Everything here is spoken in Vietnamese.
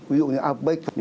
ví dụ như outback